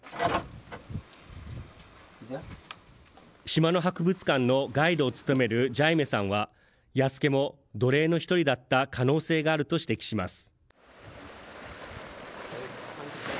島の博物館のガイドを務めるジャイメさんは、弥助も奴隷の１人だった可能性があると指摘します。